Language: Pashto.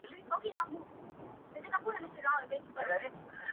بې عقل جمال خوښوي، عاقل کمال.